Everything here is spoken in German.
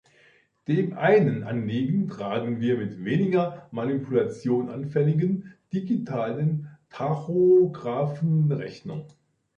Dem einen Anliegen tragen wir mit weniger manipulationsanfälligen digitalen Tachographen Rechnung.